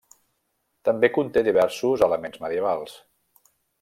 També conté diversos elements medievals.